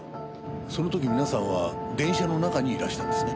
その時皆さんは電車の中にいらしたんですね？